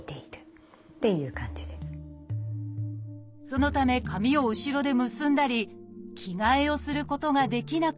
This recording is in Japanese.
そのため髪を後ろで結んだり着替えをすることができなくなり